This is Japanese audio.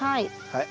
はい。